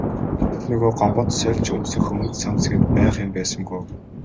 Гэтэл нөгөө Гомбод сольж өмсөх өмд цамц гээд байх юм байсангүй.